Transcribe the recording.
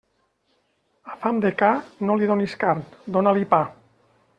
A fam de ca, no li donis carn, dóna-li pa.